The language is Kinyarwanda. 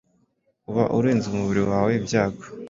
uba urinze umubiri wawe ibyago